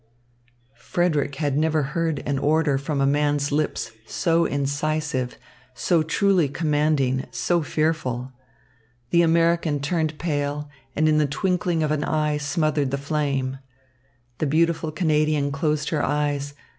Frederick had never heard an order from a man's lips so incisive, so truly commanding, so fearful. The American turned pale and in the twinkling of an eye smothered the flame. The beautiful Canadian closed her eyes.